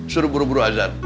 suruh buru buru azar